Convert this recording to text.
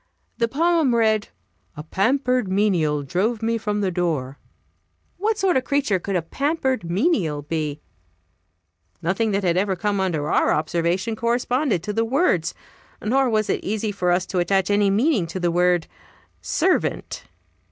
The poem read: "A pampered menial drove me from the door." What sort of creature could a "pampered menial" be? Nothing that had ever come under our observation corresponded to the words. Nor was it easy for us to attach any meaning to the word "servant."